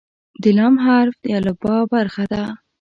د "ل" حرف د الفبا برخه ده.